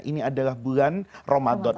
ini adalah bulan ramadan